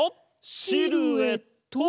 シルエット！